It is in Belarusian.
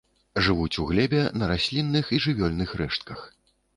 Жывуць у глебе, на раслінных і жывёльных рэштках.